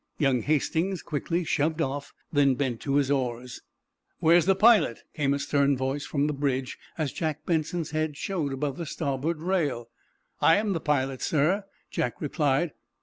Young Hastings quickly shoved off, then bent to his oars. "Where's the pilot?" came a stern voice, from the bridge, as Jack Benson's head showed above the starboard rail. "I am the pilot, sir," Jack replied.